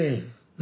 何？